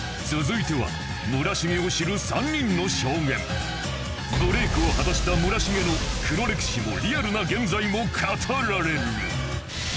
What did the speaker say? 続いてはブレークを果たした村重の黒歴史もリアルな現在も語られる